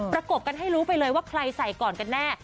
กบกันให้รู้ไปเลยว่าใครใส่ก่อนกันแน่